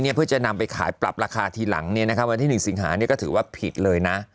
เพื่อจะนำไปขายปรับราคาทีหลังวันที่๑สิงหาก็ถือว่าผิดเลยนะ